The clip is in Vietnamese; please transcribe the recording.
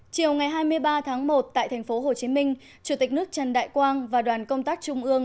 chiều ngày hai mươi ba tháng một tại tp hcm chủ tịch nước trần đại quang và đoàn công tác trung ương